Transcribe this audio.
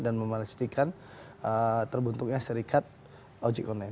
dan memastikan terbentuknya serikat ojek online